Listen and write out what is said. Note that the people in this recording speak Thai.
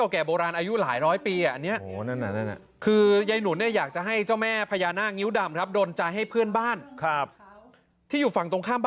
กวนใยหนุนเขาเขานอนไม่ได้ครับ